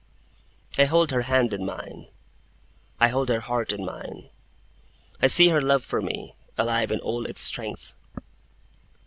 I hold her hand in mine, I hold her heart in mine, I see her love for me, alive in all its strength.